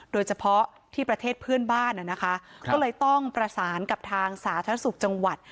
โดยเฉพาะที่ประเทศเพื่อนบ้านนะคะก็เลยต้องประสานกับทางสาธารณสุขจังหวัด